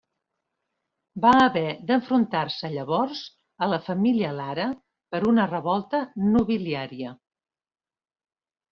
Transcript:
Va haver d'enfrontar-se llavors a la Família Lara per una revolta nobiliària.